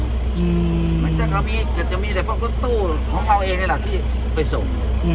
เป็นแบบนี้มันจะมีเพราะรู้สึกด้วยของเราเองที่ไปส่ง